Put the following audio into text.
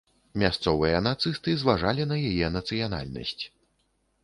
Мясцовыя нацысты зважалі на яе нацыянальнасць.